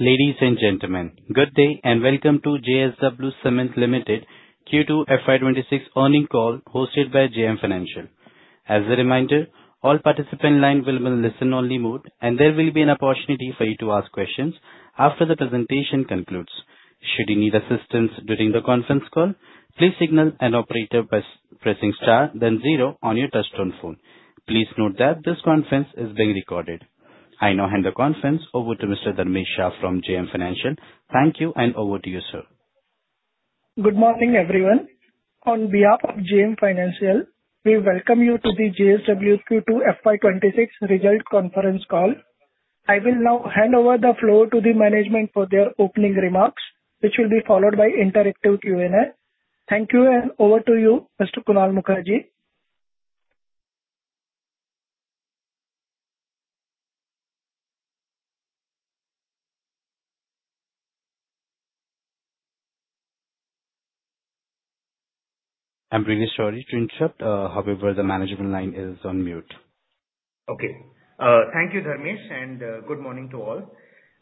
Ladies and gentlemen, good day and welcome to JSW Cement Limited Q2 FY26 earnings call hosted by JM Financial. As a reminder, all participants' lines will be in listen-only mode, and there will be an opportunity for you to ask questions after the presentation concludes. Should you need assistance during the conference call, please signal an operator by pressing star, then zero on your touch-tone phone. Please note that this conference is being recorded. I now hand the conference over to Mr. Dharmesh Shah from JM Financial. Thank you, and over to you, sir. Good morning, everyone. On behalf of JM Financial, we welcome you to the JSW Q2 FY26 Result Conference Call. I will now hand over the floor to the management for their opening remarks, which will be followed by interactive Q&A. Thank you, and over to you, Mr. Kunal Mukherjee. I'm really sorry to interrupt, however, the management line is on mute. Okay. Thank you, Dharmesh, and good morning to all.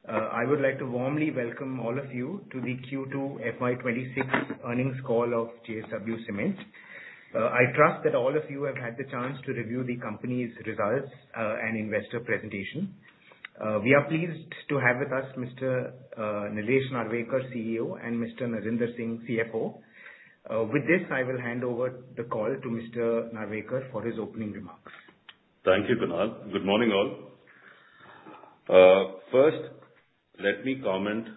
I would like to warmly welcome all of you to the Q2 FY26 earnings call of JSW Cement. I trust that all of you have had the chance to review the company's results and investor presentation. We are pleased to have with us Mr. Nilesh Narwekar, CEO, and Mr. Narinder Singh, CFO. With this, I will hand over the call to Mr. Narwekar for his opening remarks. Thank you, Kunal. Good morning, all. First, let me comment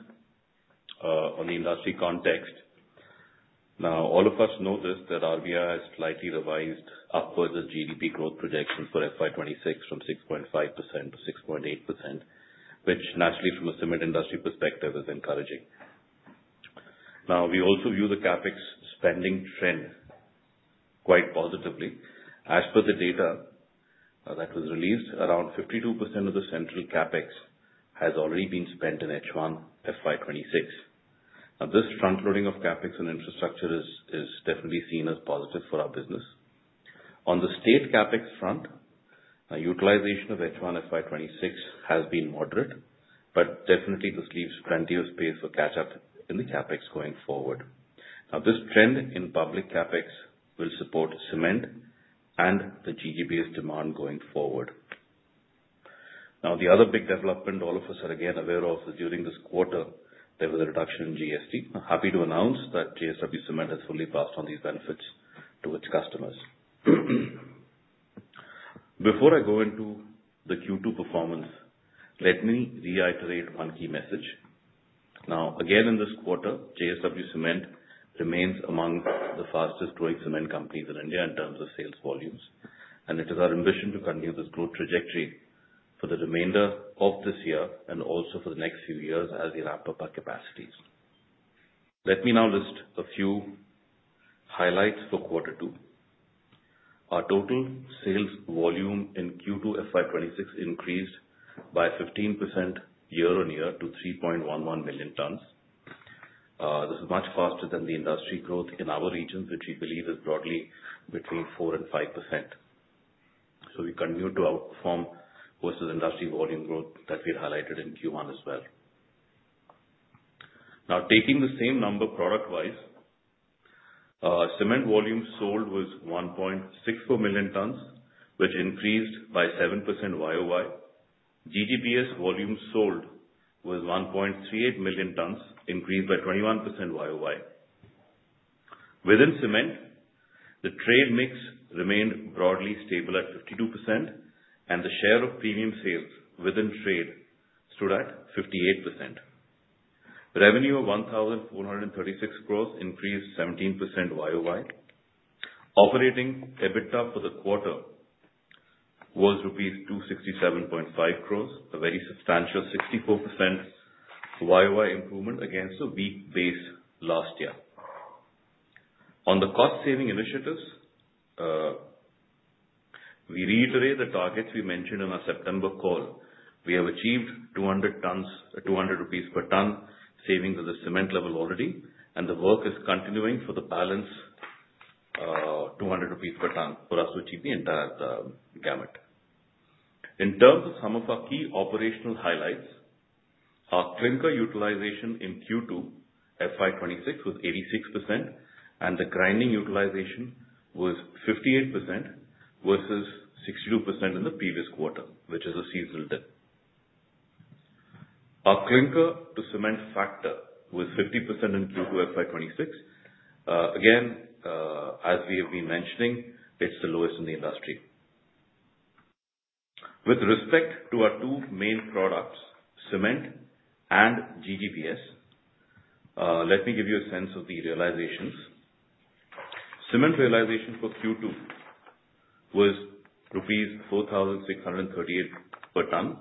on the industry context. Now, all of us know this: the RBI has slightly revised upwards the GDP growth projections for FY26 from 6.5% to 6.8%, which, naturally, from a cement industry perspective, is encouraging. Now, we also view the CapEx spending trend quite positively. As per the data that was released, around 52% of the central CapEx has already been spent in H1 FY26. Now, this front-loading of CapEx on infrastructure is definitely seen as positive for our business. On the state CapEx front, utilization of H1 FY26 has been moderate, but definitely, this leaves plenty of space for catch-up in the CapEx going forward. Now, this trend in public CapEx will support cement and the GDP-based demand going forward. Now, the other big development all of us are, again, aware of is during this quarter, there was a reduction in GST. I'm happy to announce that JSW Cement has fully passed on these benefits to its customers. Before I go into the Q2 performance, let me reiterate one key message. Now, again, in this quarter, JSW Cement remains among the fastest-growing cement companies in India in terms of sales volumes, and it is our ambition to continue this growth trajectory for the remainder of this year and also for the next few years as we ramp up our capacities. Let me now list a few highlights for quarter two. Our total sales volume in Q2 FY26 increased by 15% year-on-year to 3.11 million tons. This is much faster than the industry growth in our region, which we believe is broadly between 4% and 5%. We continue to outperform versus industry volume growth that we had highlighted in Q1 as well. Now, taking the same number product-wise, cement volume sold was 1.64 million tons, which increased by 7% YoY. GGBS volume sold was 1.38 million tons, increased by 21% YoY. Within cement, the trade mix remained broadly stable at 52%, and the share of premium sales within trade stood at 58%. Revenue of ₹1,436 crores increased 17% YoY. Operating EBITDA for the quarter was ₹267.5 crores, a very substantial 64% YoY improvement against a weak base last year. On the cost-saving initiatives, we reiterate the targets we mentioned in our September call. We have achieved ₹200 per ton savings at the cement level already, and the work is continuing for the balance ₹200 per ton for us to achieve the entire gamut. In terms of some of our key operational highlights, our clinker utilization in Q2 FY26 was 86%, and the grinding utilization was 58% versus 62% in the previous quarter, which is a seasonal dip. Our clinker-to-cement factor was 50% in Q2 FY26. Again, as we have been mentioning, it's the lowest in the industry. With respect to our two main products, cement and GGBS, let me give you a sense of the realizations. Cement realization for Q2 was rupees 4,638 per ton,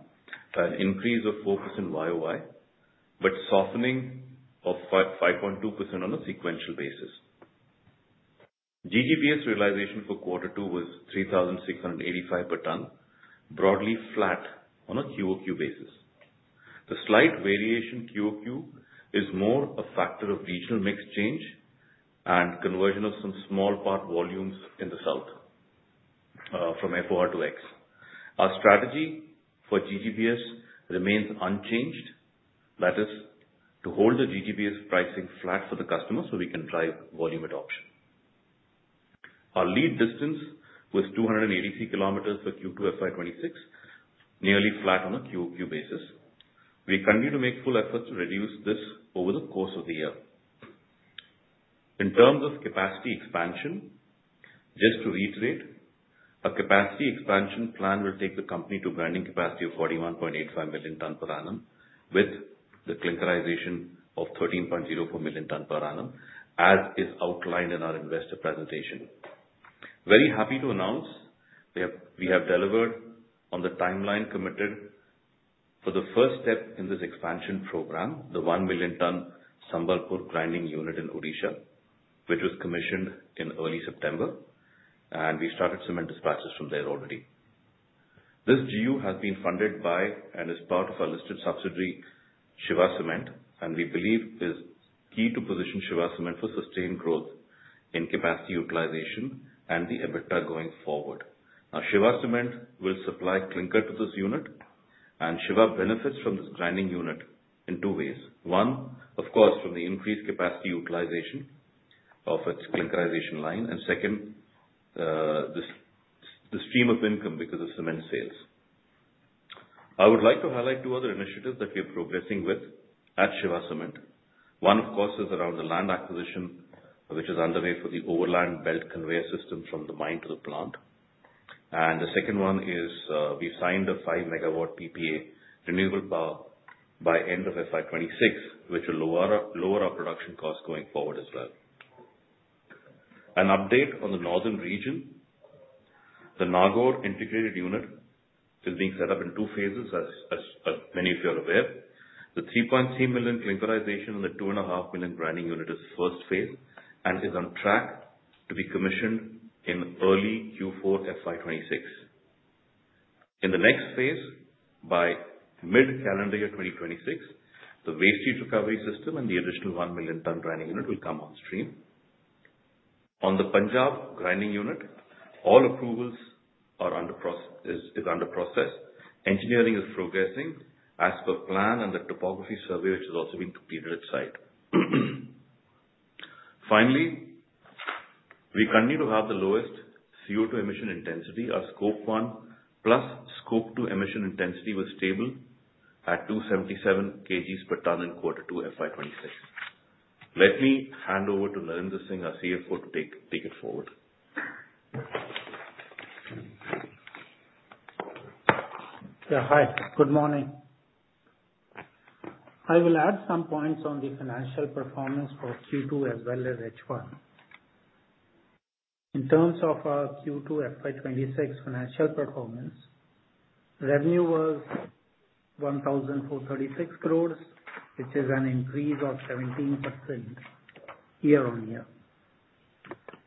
an increase of 4% YoY, but softening of 5.2% on a sequential basis. GGBS realization for quarter two was 3,685 per ton, broadly flat on a QoQ basis. The slight variation in QoQ is more a factor of regional mix change and conversion of some small part volumes in the south from FOR to Ex. Our strategy for GGBS remains unchanged, that is, to hold the GGBS pricing flat for the customer so we can drive volume adoption. Our lead distance was 283 kilometers for Q2 FY26, nearly flat on a QoQ basis. We continue to make full efforts to reduce this over the course of the year. In terms of capacity expansion, just to reiterate, a capacity expansion plan will take the company to grinding capacity of 41.85 million tons per annum with the clinkerization of 13.04 million tons per annum, as is outlined in our investor presentation. Very happy to announce we have delivered on the timeline committed for the first step in this expansion program, the one million ton Sambalpur grinding unit in Odisha, which was commissioned in early September, and we started cement dispatches from there already. This GU has been funded by and is part of our listed subsidiary, Shiva Cement, and we believe is key to position Shiva Cement for sustained growth in capacity utilization and the EBITDA going forward. Now, Shiva Cement will supply clinker to this unit, and Shiva benefits from this grinding unit in two ways. One, of course, from the increased capacity utilization of its clinkerization line, and second, the stream of income because of cement sales. I would like to highlight two other initiatives that we are progressing with at Shiva Cement. One, of course, is around the land acquisition, which is underway for the overland belt conveyor system from the mine to the plant, and the second one is we've signed a 5-megawatt PPA renewable power by end of FY26, which will lower our production costs going forward as well. An update on the northern region, the Nagaur integrated unit is being set up in two phases, as many of you are aware. The 3.3 million clinkerization and the 2.5 million grinding unit is the first phase and is on track to be commissioned in early Q4 FY26. In the next phase, by mid-calendar year 2026, the waste heat recovery system and the additional 1 million ton grinding unit will come on stream. On the Punjab grinding unit, all approvals are under process. Engineering is progressing as per plan and the topography survey, which has also been completed at site. Finally, we continue to have the lowest CO2 emission intensity. Our Scope 1 plus Scope 2 emission intensity was stable at 277 kg per ton in quarter two FY26. Let me hand over to Narinder Singh, our CFO, to take it forward. Yeah. Hi. Good morning. I will add some points on the financial performance for Q2 as well as H1. In terms of our Q2 FY26 financial performance, revenue was 1,436 crores, which is an increase of 17% year-on-year.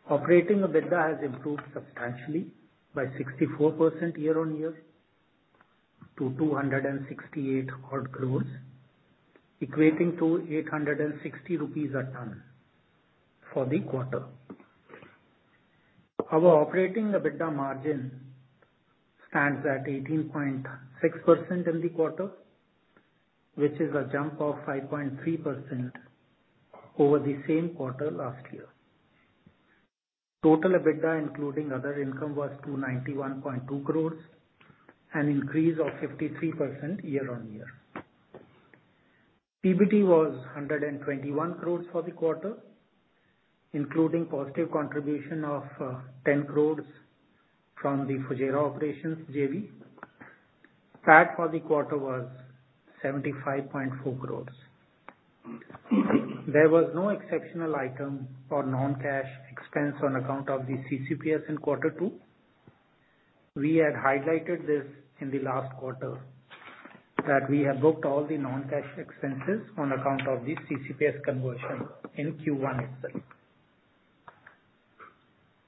Operating EBITDA has improved substantially by 64% year-on-year to 268 crores, equating to 860 rupees a ton for the quarter. Our operating EBITDA margin stands at 18.6% in the quarter, which is a jump of 5.3% over the same quarter last year. Total EBITDA, including other income, was 291.2 crores, an increase of 53% year-on-year. PBT was 121 crores for the quarter, including positive contribution of 10 crores from the Fujairah Operations JV. PAT for the quarter was 75.4 crores. There was no exceptional item or non-cash expense on account of the CCPS in quarter two. We had highlighted this in the last quarter that we have booked all the non-cash expenses on account of the CCPS conversion in Q1 itself.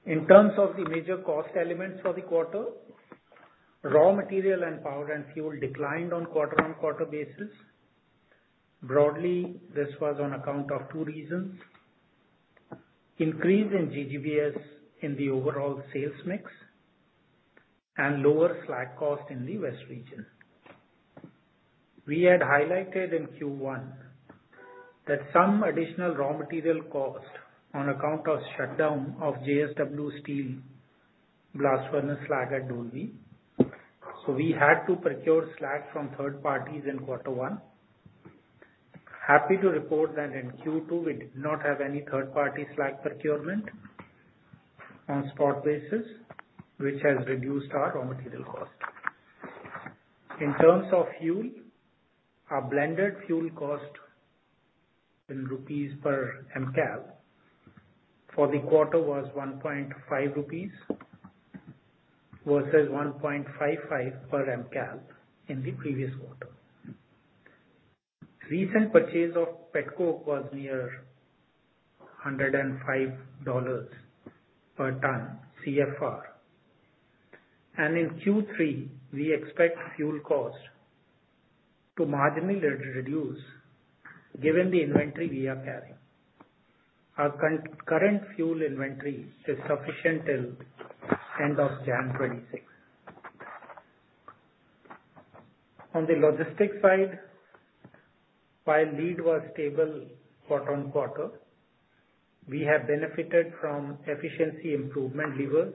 In terms of the major cost elements for the quarter, raw material and power and fuel declined on quarter-on-quarter basis. Broadly, this was on account of two reasons: increase in GGBS in the overall sales mix and lower slag cost in the West region. We had highlighted in Q1 that some additional raw material cost on account of shutdown of JSW Steel blast furnace slag at Dolvi. So we had to procure slag from third parties in quarter one. Happy to report that in Q2, we did not have any third-party slag procurement on spot basis, which has reduced our raw material cost. In terms of fuel, our blended fuel cost in rupees per Mcal for the quarter was 1.5 rupees versus 1.55 per Mcal in the previous quarter. Recent purchase of petcoke was near $105 per ton CFR, and in Q3, we expect fuel cost to marginally reduce given the inventory we are carrying. Our current fuel inventory is sufficient till end of January 2026. On the logistics side, while lead was stable quarter on quarter, we have benefited from efficiency improvement levers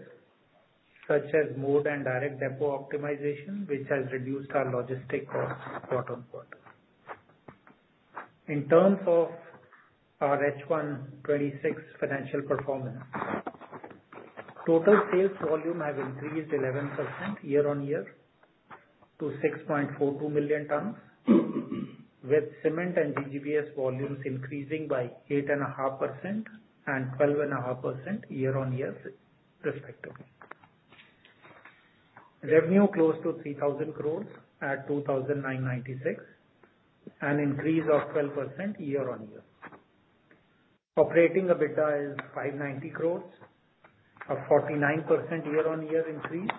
such as mode and direct depot optimization, which has reduced our logistic costs quarter on quarter. In terms of our H1 26 financial performance, total sales volume has increased 11% year-on-year to 6.42 million tons, with cement and GGBS volumes increasing by 8.5% and 12.5% year-on-year respectively. Revenue close to 3,000 crores at 2,996, an increase of 12% year-on-year. Operating EBITDA is 590 crores, a 49% year-on-year increase,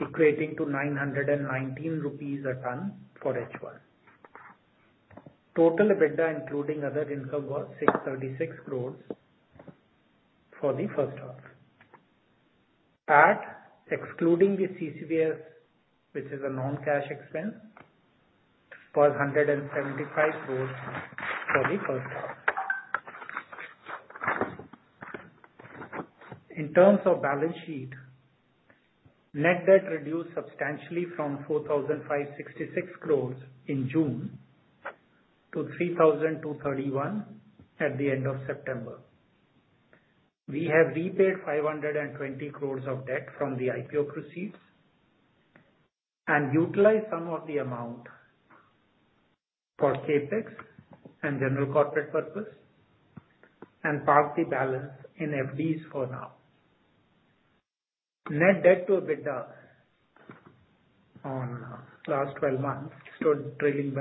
equating to 919 rupees a ton for H1. Total EBITDA, including other income, was 636 crores for the first half. PAT, excluding the CCPS, which is a non-cash expense, was 175 crores for the first half. In terms of balance sheet, net debt reduced substantially from 4,566 crores in June to 3,231 at the end of September. We have repaid 520 crores of debt from the IPO proceeds and utilized some of the amount for CapEx and general corporate purpose, and parked the balance in FDs for now. Net debt to EBITDA on last 12 months stood at 2.8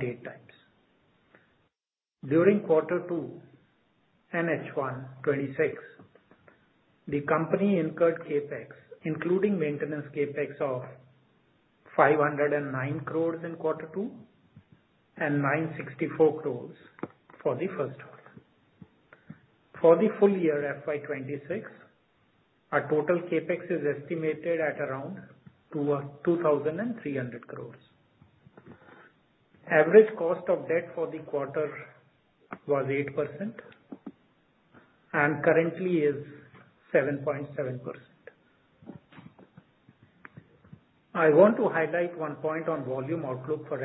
times. During quarter two and H1 26, the company incurred CapEx, including maintenance CapEx of 509 crores in quarter two and 964 crores for the first half. For the full year FY26, our total CapEx is estimated at around 2,300 crores. Average cost of debt for the quarter was 8% and currently is 7.7%. I want to highlight one point on volume outlook for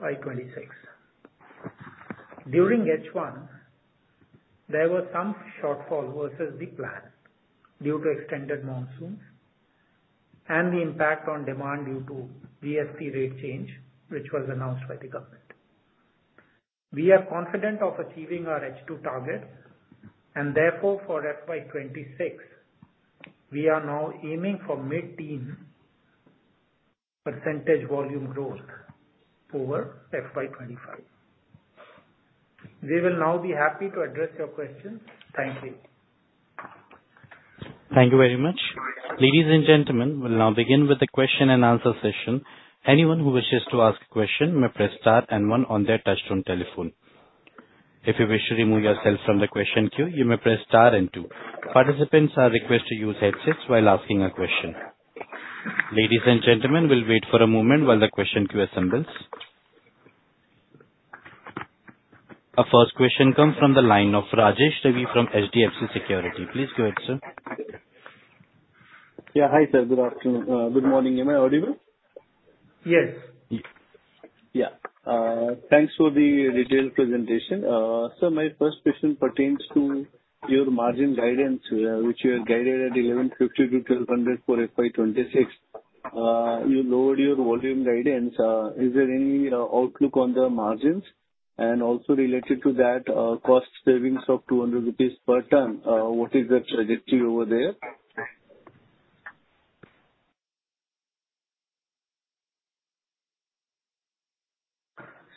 FY26. During H1, there was some shortfall versus the plan due to extended monsoons and the impact on demand due to GST rate change, which was announced by the government. We are confident of achieving our H2 target, and therefore for FY26, we are now aiming for mid-teen % volume growth over FY25. We will now be happy to address your questions. Thank you. Thank you very much. Ladies and gentlemen, we'll now begin with the question and answer session. Anyone who wishes to ask a question may press star and one on their touch-tone telephone. If you wish to remove yourself from the question queue, you may press star and two. Participants are requested to use headsets while asking a question. Ladies and gentlemen, we'll wait for a moment while the question queue assembles. Our first question comes from the line of Rajesh Ravi from HDFC Securities. Please go ahead, sir. Yeah. Hi, sir. Good morning. Am I audible? Yes. Yeah. Thanks for the detailed presentation. Sir, my first question pertains to your margin guidance, which you had guided at 1,150 to 1,200 for FY26. You lowered your volume guidance. Is there any outlook on the margins? And also related to that, cost savings of 200 rupees per ton, what is the trajectory over there?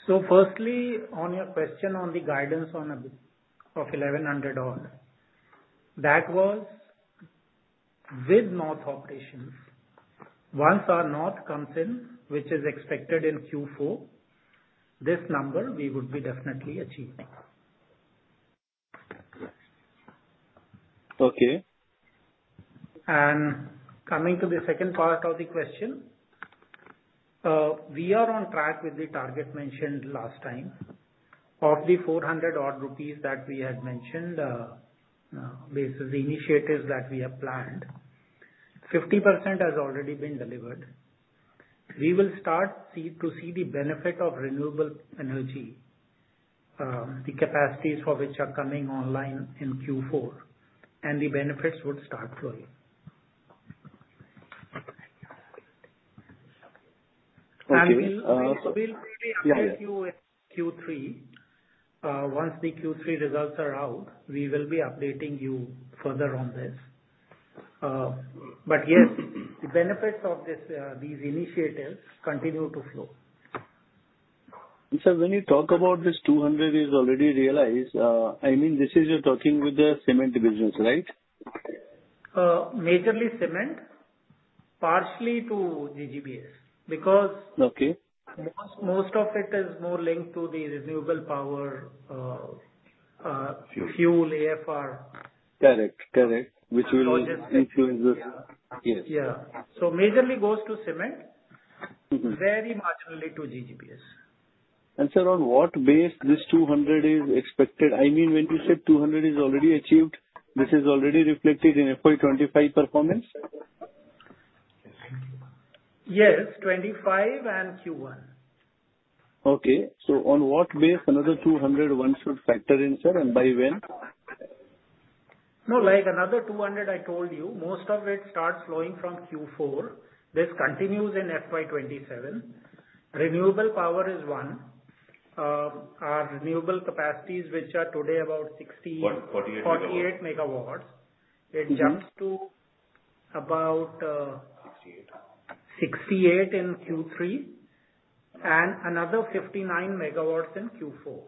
So firstly, on your question on the guidance of 1,100, that was with North operations. Once our North comes in, which is expected in Q4, this number we would be definitely achieving. Okay. Coming to the second part of the question, we are on track with the target mentioned last time of the 400 rupees that we had mentioned based on the initiatives that we have planned. 50% has already been delivered. We will start to see the benefit of renewable energy, the capacities for which are coming online in Q4, and the benefits would start flowing. We'll probably update you in Q3. Once the Q3 results are out, we will be updating you further on this. But yes, the benefits of these initiatives continue to flow. Sir, when you talk about this 200, you already realize I mean, this is you're talking with the cement business, right? Majorly cement, partially to GGBS because most of it is more linked to the renewable power, fuel, AFR. Correct. Correct. Which will increase your investment. Yeah. So majorly goes to cement, very marginally to GGBS. Sir, on what basis this 200 is expected? I mean, when you said 200 is already achieved, this is already reflected in FY25 performance? Yes. 25 and Q1. Okay. So on what basis another 200 should factor in, sir? And by when? No. Another 200 I told you, most of it starts flowing from Q4. This continues in FY27. Renewable power is one. Our renewable capacities, which are today about 60. What? 48 megawatts. 48 megawatts. It jumps to about. 68. 68 in Q3 and another 59 megawatts in Q4.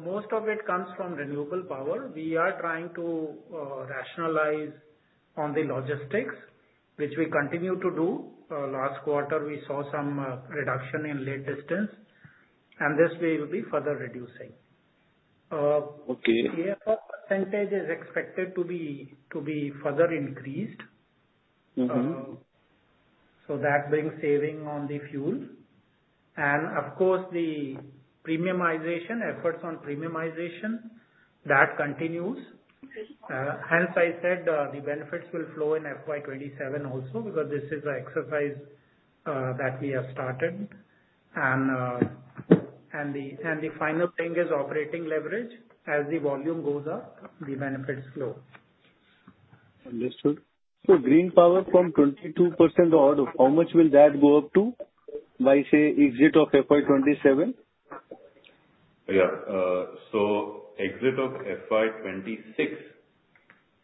Most of it comes from renewable power. We are trying to rationalize on the logistics, which we continue to do. Last quarter, we saw some reduction in long distance, and this we will be further reducing. AFR percentage is expected to be further increased. That brings saving on the fuel. Of course, the premiumization efforts on premiumization, that continues. Hence, I said the benefits will flow in FY27 also because this is an exercise that we have started. The final thing is operating leverage. As the volume goes up, the benefits flow. Understood. So green power from 22% out of how much will that go up to by, say, exit of FY27? Yeah, so exit of FY26,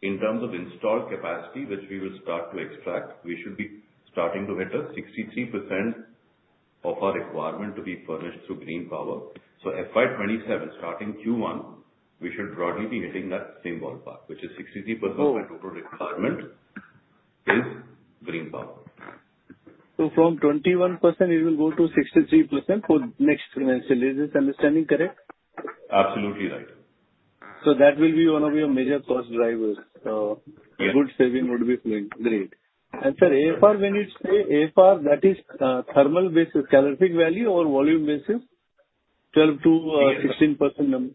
in terms of installed capacity, which we will start to extract, we should be starting to hit 63% of our requirement to be furnished through green power. In FY27, starting Q1, we should probably be hitting that same ballpark, which is 63% of our total requirement is green power. So from 21%, it will go to 63% for next financial year. Is this understanding correct? Absolutely right. That will be one of your major cost drivers. Good saving would be flowing. Great. And sir, AFR, when you say AFR, that is thermal basis, calorific value, or volume basis? 12%-16% number?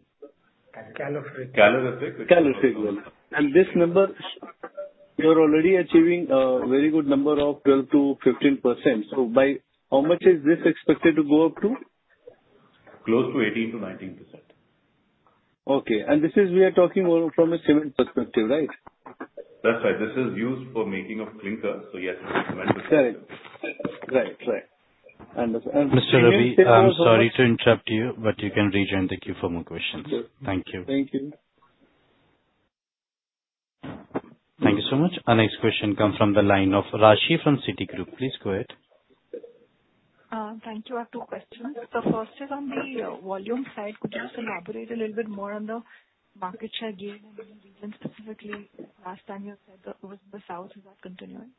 Calorific. Calorific. And this number, you're already achieving a very good number of 12% to 15%. So by how much is this expected to go up to? Close to 18% to 19%. Okay. And this is, we are talking from a cement perspective, right? That's right. This is used for making of clinkers. So yes, cement is used. Right. Right. Right. And Mr. Mr. Ravi, I'm sorry to interrupt you, but you can rejoin the queue for more questions. Thank you. Thank you. Thank you so much. Our next question comes from the line of Raashi from Citigroup. Please go ahead. Thank you. I have two questions. The first is on the volume side. Could you just elaborate a little bit more on the market share gain and even specifically last time you said that it was in the South, is that continuing?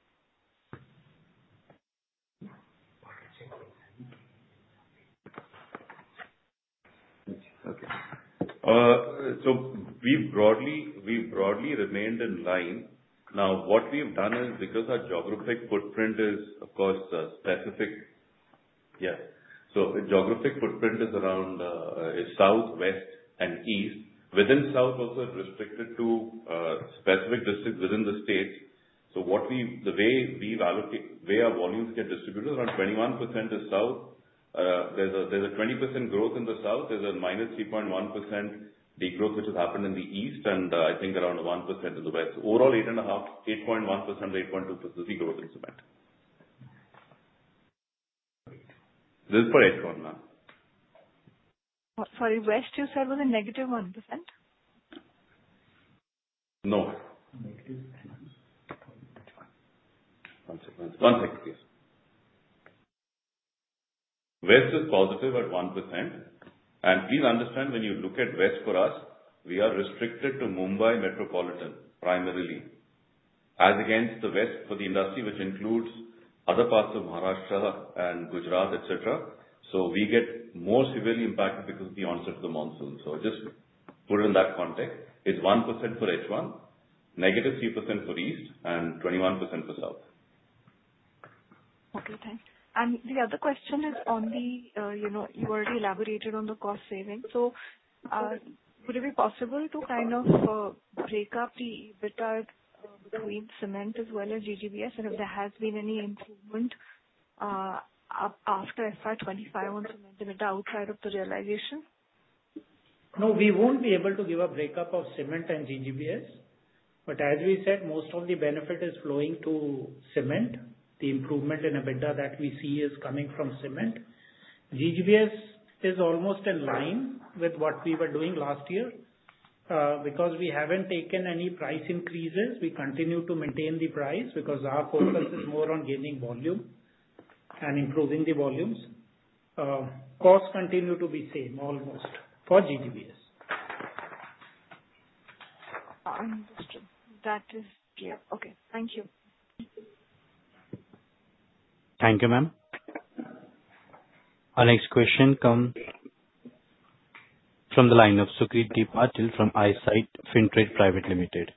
Okay. So we broadly remained in line. Now, what we've done is because our geographic footprint is, of course, specific. Yeah. So geographic footprint is around South, West, and East. Within South, also restricted to specific districts within the state. So, the way our volumes get distributed around 21% is South. There's a 20% growth in the South. There's a -3.1% degrowth, which has happened in the East, and I think around 1% in the West. Overall, 8.1% to 8.2% is the growth in cement. This is for H1 now. Sorry, West you said was a negative 1%? No. One second. One second, please. West is positive at 1%. And please understand, when you look at West for us, we are restricted to Mumbai Metropolitan primarily, as against the West for the industry, which includes other parts of Maharashtra and Gujarat, etc. So we get more severely impacted because of the onset of the monsoon. So just put it in that context. It's 1% for H1, negative 3% for East, and 21% for South. Okay. Thanks. And the other question is on, you already elaborated on the cost saving. So would it be possible to kind of break up the EBITDA between cement as well as GGBS? And if there has been any improvement after FY25 on cement, the EBITDA outside of the realization? No, we won't be able to give a breakup of cement and GGBS. But as we said, most of the benefit is flowing to cement. The improvement in EBITDA that we see is coming from cement. GGBS is almost in line with what we were doing last year because we haven't taken any price increases. We continue to maintain the price because our focus is more on gaining volume and improving the volumes. Costs continue to be same almost for GGBS. Understood. That is clear. Okay. Thank you. Thank you, ma'am. Our next question comes from the line of Sucrit Deep Patil from Eyesight Fintrade Private Limited.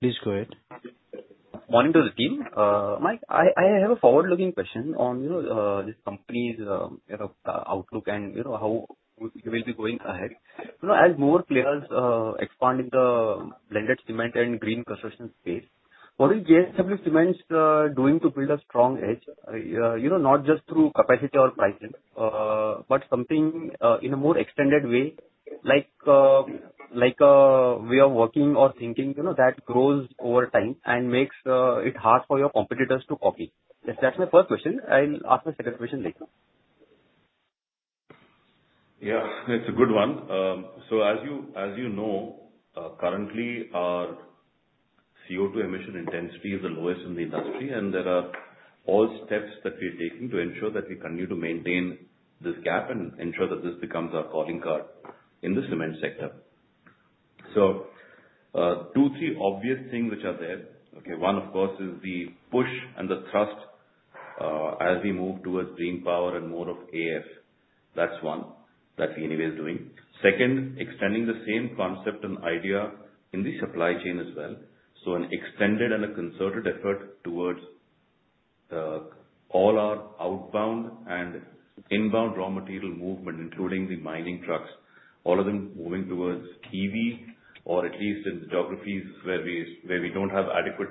Please go ahead. Good morning to the team. I have a forward-looking question on this company's outlook and how it will be going ahead. As more players expand in the blended cement and green construction space, what is JSW Cement doing to build a strong edge? Not just through capacity or pricing, but something in a more extended way, like a way of working or thinking that grows over time and makes it hard for your competitors to copy. That's my first question. I'll ask my second question later. Yeah. It's a good one. So as you know, currently, our CO2 emission intensity is the lowest in the industry, and there are all steps that we are taking to ensure that we continue to maintain this gap and ensure that this becomes our calling card in the cement sector. So two, three obvious things which are there. Okay. One, of course, is the push and the thrust as we move towards green power and more of AF. That's one that we anyway are doing. Second, extending the same concept and idea in the supply chain as well. So an extended and a concerted effort towards all our outbound and inbound raw material movement, including the mining trucks, all of them moving towards EV, or at least in the geographies where we don't have adequate,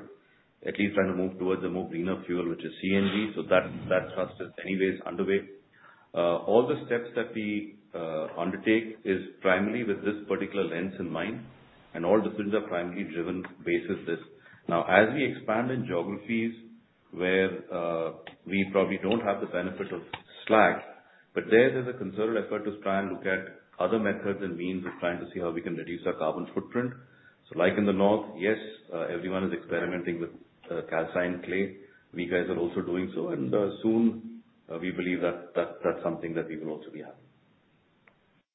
at least trying to move towards the more greener fuel, which is CNG. So that thrust is anyway underway. All the steps that we undertake is primarily with this particular lens in mind, and all decisions are primarily driven based on this. Now, as we expand in geographies where we probably don't have the benefit of slag, but there is a concerted effort to try and look at other methods and means of trying to see how we can reduce our carbon footprint. So like in the North, yes, everyone is experimenting with calcined clay. We guys are also doing so. And soon, we believe that that's something that we will also be having.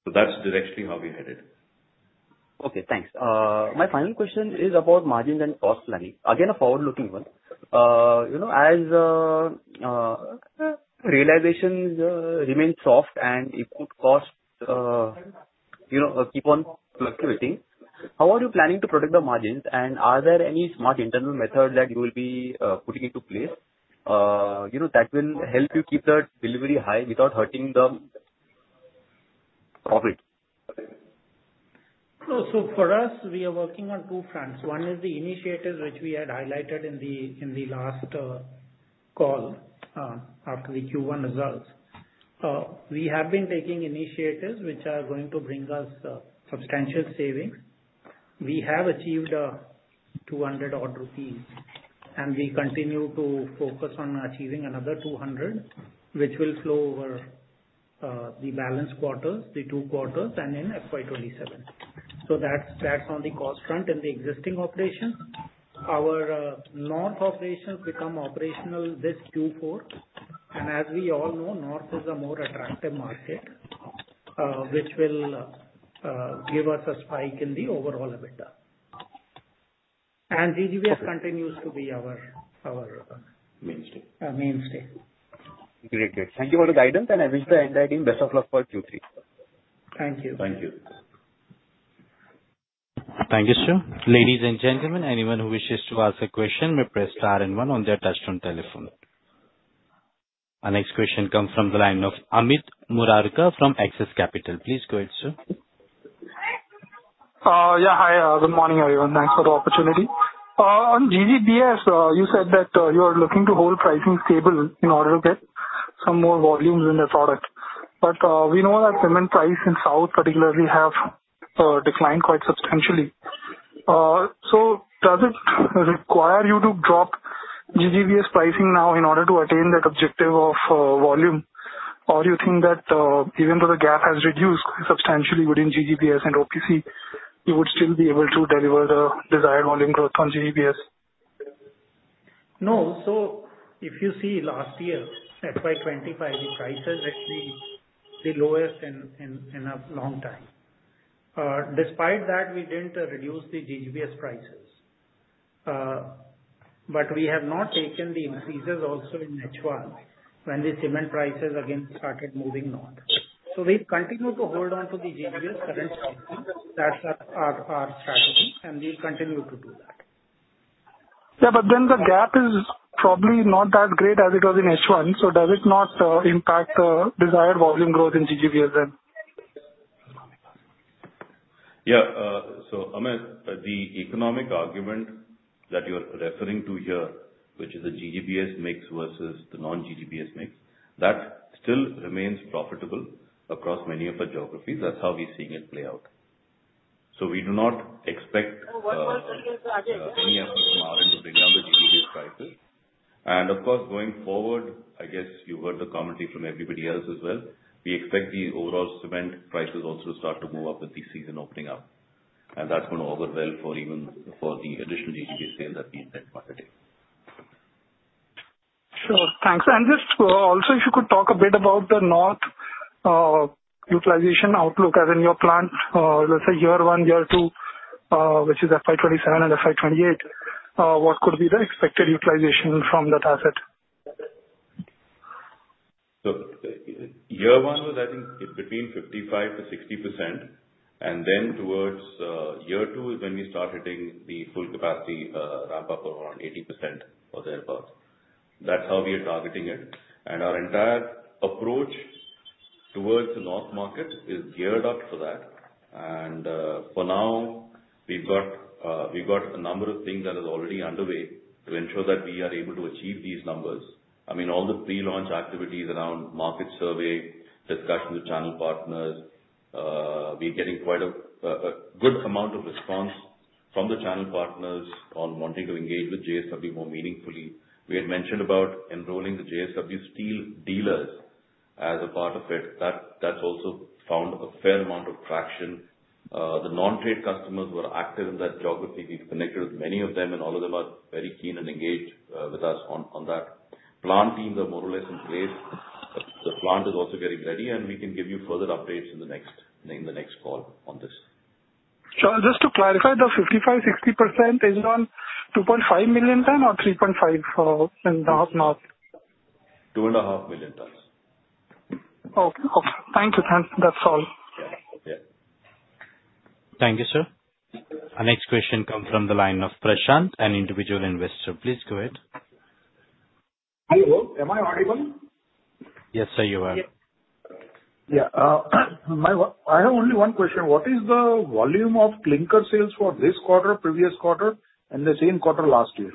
So that's directionally how we are headed. Okay. Thanks. My final question is about margins and cost planning. Again, a forward-looking one. As realizations remain soft and costs could keep on fluctuating, how are you planning to protect the margins? And are there any smart internal methods that you will be putting into place that will help you keep the delivery high without hurting the profit? So for us, we are working on two fronts. One is the initiatives which we had highlighted in the last call after the Q1 results. We have been taking initiatives which are going to bring us substantial savings. We have achieved 200 rupees, and we continue to focus on achieving another 200, which will flow over the balance quarters, the two quarters, and in FY27. So that's on the cost front in the existing operations. Our north operations become operational this Q4. And as we all know, north is a more attractive market, which will give us a spike in the overall EBITDA. And GGBS continues to be our mainstay mainstay. Great. Great. Thank you for the guidance, and I wish the entire team best of luck for Q3. Thank you. Thank you. Thank you, sir. Ladies and gentlemen, anyone who wishes to ask a question may press star and one on their touch-tone telephone. Our next question comes from the line of Amit Murarka from Axis Capital. Please go ahead, sir. Yeah. Hi. Good morning, everyone. Thanks for the opportunity. On GGBS, you said that you are looking to hold pricing stable in order to get some more volumes in the product. But we know that cement prices in South particularly have declined quite substantially. So does it require you to drop GGBS pricing now in order to attain that objective of volume? Or do you think that even though the gap has reduced substantially within GGBS and OPC, you would still be able to deliver the desired volume growth on GGBS? No. So if you see last year, FY25, the prices actually were the lowest in a long time. Despite that, we didn't reduce the GGBS prices. But we have not taken the increases also in H1 when the cement prices again started moving north. So we continue to hold on to the GGBS current pricing. That's our strategy, and we'll continue to do that. Yeah. But then the gap is probably not that great as it was in H1. So does it not impact the desired volume growth in GGBS then? Yeah. So Amit, the economic argument that you're referring to here, which is the GGBS mix versus the non-GGBS mix, that still remains profitable across many of our geographies. That's how we're seeing it play out. So we do not expect. Oh, what was the case? Any effort from our end to bring down the GGBS prices. Of course, going forward, I guess you heard the commentary from everybody else as well. We expect the overall cement prices also to start to move up with the season opening up. That's going to overwhelm even for the additional GGBS sale that we intend to undertake. Sure. Thanks. And just also, if you could talk a bit about the North utilization outlook as in your plant, let's say year one, year two, which is FY27 and FY28, what could be the expected utilization from that asset? So year one was, I think, between 55% to 60%. And then towards year two is when we start hitting the full capacity ramp-up of around 80% or thereabouts. That's how we are targeting it. And our entire approach towards the north market is geared up for that. And for now, we've got a number of things that are already underway to ensure that we are able to achieve these numbers. I mean, all the pre-launch activities around market survey, discussion with channel partners. We're getting quite a good amount of response from the channel partners on wanting to engage with JSW more meaningfully. We had mentioned about enrolling the JSW Steel dealers as a part of it. That's also found a fair amount of traction. The non-trade customers were active in that geography. We've connected with many of them, and all of them are very keen and engaged with us on that. Plant teams are more or less in place. The plant is also getting ready, and we can give you further updates in the next call on this. So just to clarify, the 55% to 60% is around 2.5 million ton or 3.5 in the north? 2.5 million tons. Okay. Okay. Thank you. That's all. Yeah. Yeah. Thank you, sir. Our next question comes from the line of Prashant, an individual investor. Please go ahead. Hello. Am I audible? Yes, sir, you are. Yeah. I have only one question. What is the volume of clinker sales for this quarter, previous quarter, and the same quarter last year?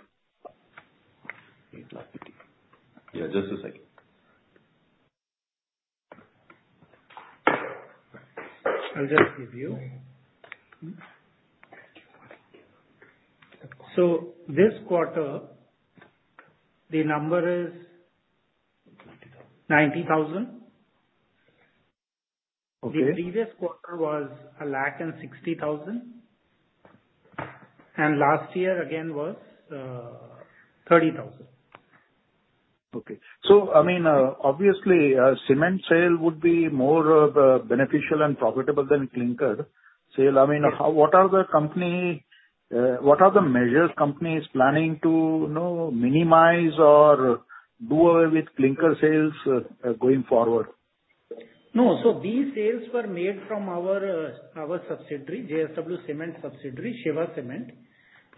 Yeah. Just a second. I'll just give you. So this quarter, the number is 90,000. The previous quarter was 160,000, and last year again was 30,000. Okay. So, I mean, obviously, cement sale would be more beneficial and profitable than clinker sale. I mean, what are the measures companies planning to minimize or do away with clinker sales going forward? No. So these sales were made from our subsidiary, JSW Cement Subsidiary, Shiva Cement,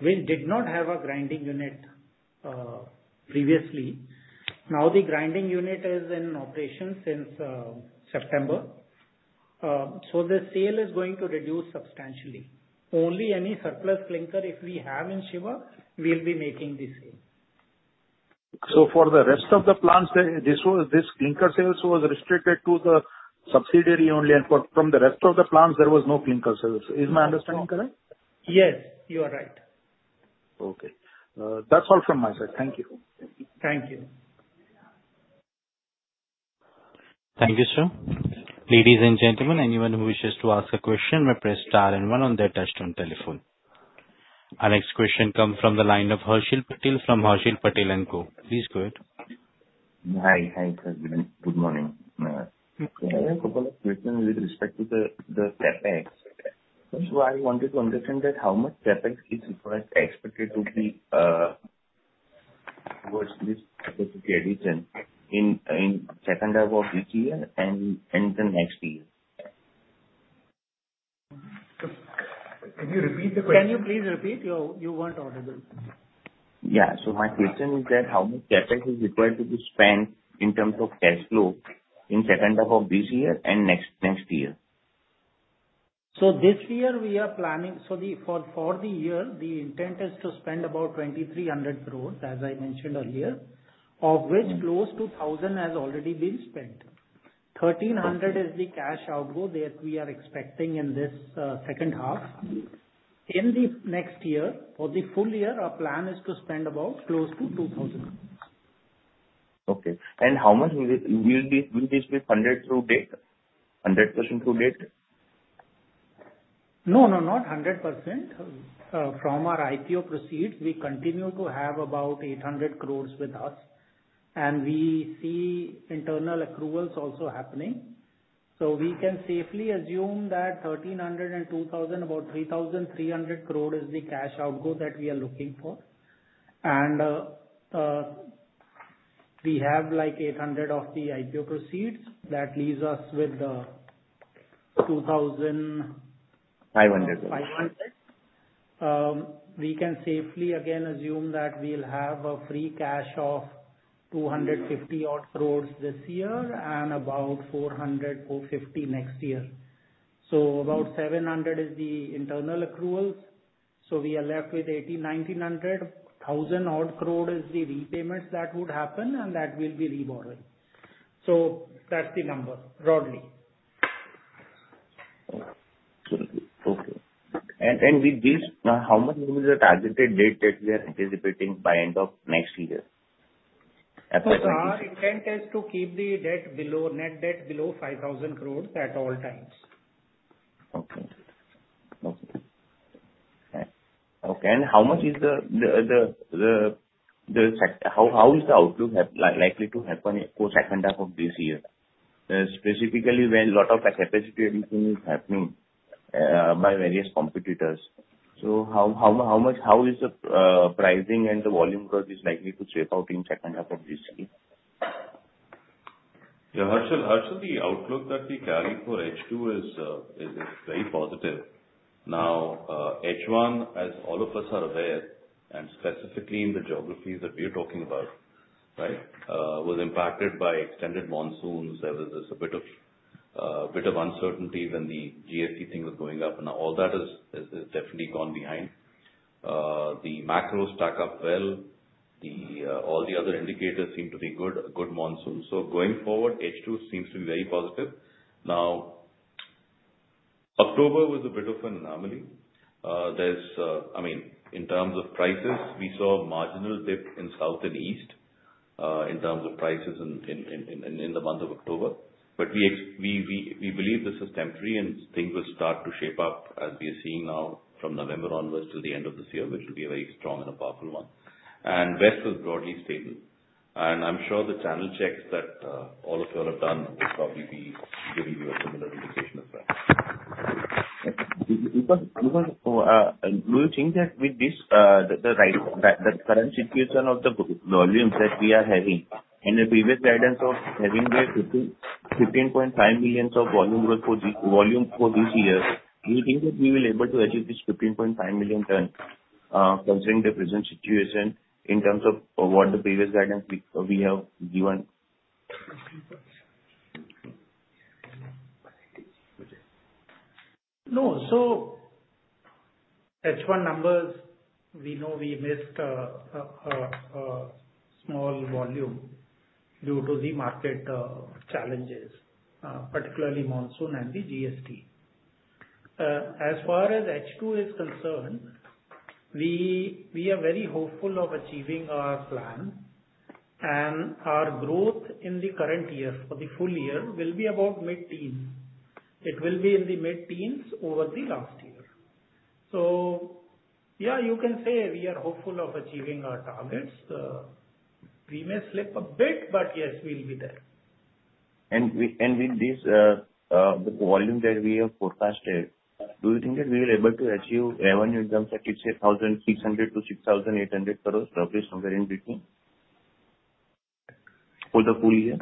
which did not have a grinding unit previously. Now, the grinding unit is in operation since September. So the sale is going to reduce substantially. Only any surplus clinker if we have in Shiva, we'll be making the sale. So for the rest of the plants, this clinker sales was restricted to the subsidiary only. And from the rest of the plants, there was no clinker sales. Is my understanding correct? Yes. You are right. Okay. That's all from my side. Thank you. Thank you. Thank you, sir. Ladies and gentlemen, anyone who wishes to ask a question may press star and one on their touch-tone telephone. Our next question comes from the line of Harshil Patel from Harshil Patel & Co. Please go ahead. Hi. Hi, sir. Good morning. I have a couple of questions with respect to the CapEx. First of all, I wanted to understand that how much CapEx is expected to be towards this CapEx addition in the second half of this year and the next year? Can you repeat the question? Can you please repeat? You weren't audible. Yeah. So my question is that how much CapEx is required to be spent in terms of cash flow in the second half of this year and next year? So this year, we are planning for the year. The intent is to spend about 2,300 crores, as I mentioned earlier, of which close to 1,000 has already been spent. 1,300 is the cash outgo that we are expecting in this second half. In the next year, for the full year, our plan is to spend about close to 2,000. Okay. And how much will this be funded through debt, 100% through debt? No, no, not 100%. From our IPO proceeds, we continue to have about 800 crores with us. And we see internal accruals also happening. So we can safely assume that 1,300 and 2,000, about 3,300 crore is the cash outgo that we are looking for. And we have like 800 of the IPO proceeds. That leaves us with INR 2,000. 500. We can safely again assume that we'll have a free cash of 250 odd crores this year and about 400-450 next year. So about 700 is the internal accruals. So we are left with 1,900. 1,000 odd crore is the repayments that would happen, and that will be reborrowing. So that's the number broadly. Okay. Okay. And with this, how much is the targeted debt that we are anticipating by end of next year? Our intent is to keep the net debt below 5,000 crores at all times. Okay, and how is the outlook likely to happen for the second half of this year? Specifically, when a lot of the capacity addition is happening by various competitors, so how is the pricing and the volume growth likely to shape out in the second half of this year? Yeah. Harshil, the outlook that we carry for H2 is very positive. Now, H1, as all of us are aware, and specifically in the geographies that we are talking about, right, was impacted by extended monsoons. There was a bit of uncertainty when the GST thing was going up. Now, all that has definitely gone behind. The macro stack up well. All the other indicators seem to be good monsoons. So going forward, H2 seems to be very positive. Now, October was a bit of an anomaly. I mean, in terms of prices, we saw a marginal dip in south and east in terms of prices in the month of October. But we believe this is temporary, and things will start to shape up as we are seeing now from November onwards till the end of this year, which will be a very strong and a powerful one. West was broadly stable. I'm sure the channel checks that all of you all have done will probably be giving you a similar indication as well. And will change that with this, the current situation of the volumes that we are having? And the previous guidance of having the 15.5 million of volume growth for this year, do you think that we will be able to achieve this 15.5 million ton considering the present situation in terms of what the previous guidance we have given? No. So H1 numbers, we know we missed a small volume due to the market challenges, particularly monsoon and the GST. As far as H2 is concerned, we are very hopeful of achieving our plan, and our growth in the current year for the full year will be about mid-teens. It will be in the mid-teens over the last year, so yeah, you can say we are hopeful of achieving our targets. We may slip a bit, but yes, we'll be there. With this, the volume that we have forecasted, do you think that we are able to achieve revenue in terms of, let's say, INR 1,600 crores-INR 6,800 crores roughly somewhere in between for the full year?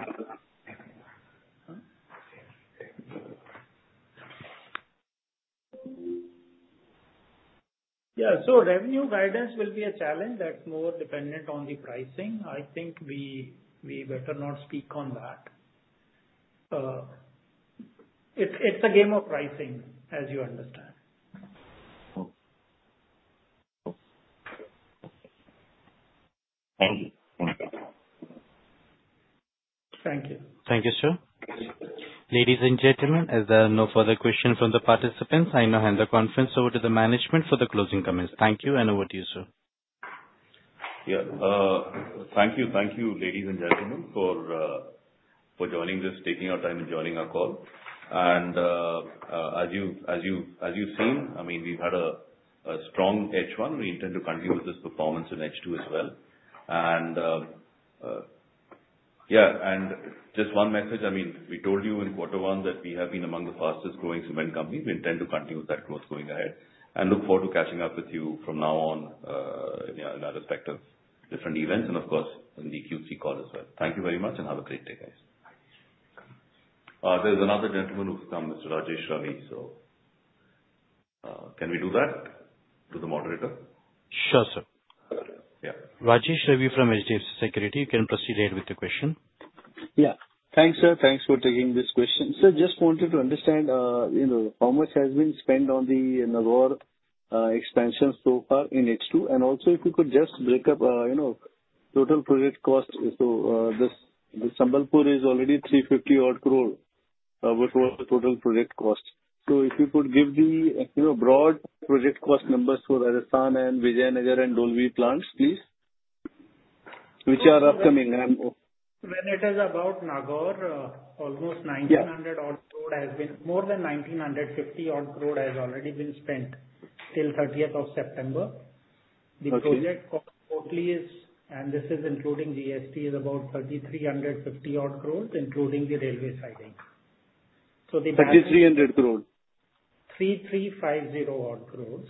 Yeah. So revenue guidance will be a challenge that's more dependent on the pricing. I think we better not speak on that. It's a game of pricing, as you understand. Okay. Okay. Thank you. Thank you. Thank you, sir. Ladies and gentlemen, as there are no further questions from the participants, I now hand the conference over to the management for the closing comments. Thank you. And over to you, sir. Yeah. Thank you. Thank you, ladies and gentlemen, for joining this, taking your time and joining our call. And as you've seen, I mean, we've had a strong H1. We intend to continue with this performance in H2 as well. And yeah. And just one message. I mean, we told you in quarter one that we have been among the fastest-growing cement companies. We intend to continue with that growth going ahead and look forward to catching up with you from now on in other respects, different events, and of course, in the Q3 call as well. Thank you very much, and have a great day, guys. There's another gentleman who's come, Mr. Rajesh Ravi. So can we do that to the moderator? Sure, sir. Yeah. Rajesh Ravi from HDFC Securities. You can proceed ahead with the question. Yeah. Thanks, sir. Thanks for taking this question. Sir, just wanted to understand how much has been spent on the Nagaur expansion so far in H2. And also, if you could just break up total project cost. So the Sambalpur is already 350 odd crore for total project cost. So if you could give the broad project cost numbers for Rajasthan and Vijayanagar and Dolvi plants, please, which are upcoming. When it is about Nagaur, almost 1,900 crore has been more than 1,950 crore has already been spent till 30th of September. The project cost totally is, and this is including GST, is about 3,350 crore, including the railway siding. So the. 3,300 crore? 3,350 crores,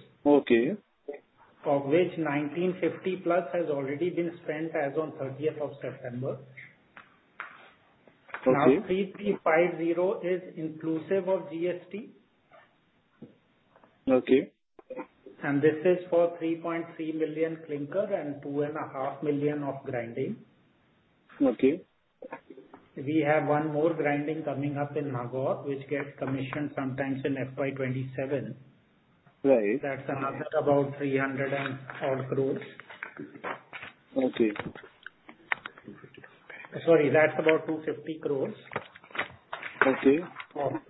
of which 1,950 plus has already been spent as of 30th of September. Now, 3,350 is inclusive of GST. And this is for 3.3 million clinker and 2.5 million of grinding. We have one more grinding coming up in Nagaur, which gets commissioned sometime in FY27. That's another about 300 crores. Sorry, that's about 250 crores, of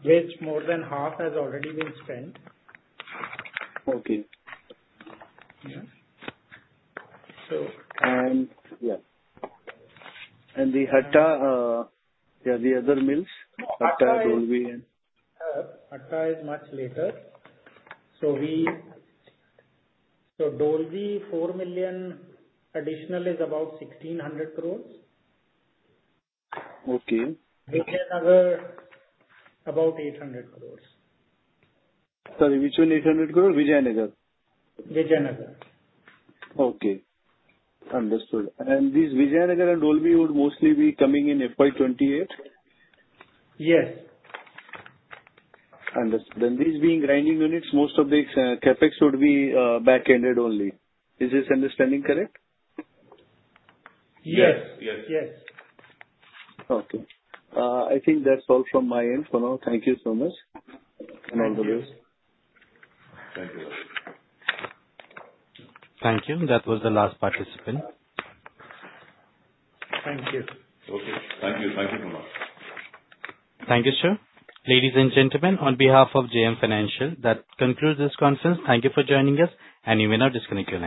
which more than half has already been spent. Yeah. So. The Hatta, yeah, the other mills, Hatta, Dolvi and. Hatta. It's much later. So Dolvi, 4 million additional is about 1,600 crores. Vijayanagar, about 800 crores. Sorry. Which one? 800 crore? Vijayanagar? Vijayanagar. Okay. Understood. And these Vijayanagar and Dolvi would mostly be coming in FY28? Yes. Understood. And these being grinding units, most of the CapEx would be back-ended only. Is this understanding correct? Yes. Yes. Okay. I think that's all from my end for now. Thank you so much and all the best. Thank you. Thank you. That was the last participant. Thank you. Okay. Thank you. Thank you so much. Thank you, sir. Ladies and gentlemen, on behalf of JM Financial, that concludes this conference. Thank you for joining us, and you may now disconnect your.